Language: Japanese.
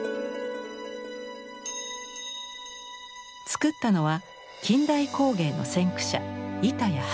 作ったのは近代工芸の先駆者